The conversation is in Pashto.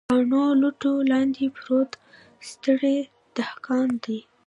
کاڼو، لوټو لاندې پروت ستړی دهقان دی